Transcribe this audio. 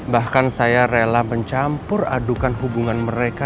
bahkan saya rela mencampur adukan hubungan mereka